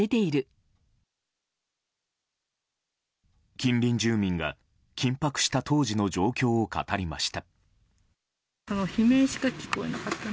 近隣住民が緊迫した当時の状況を語りました。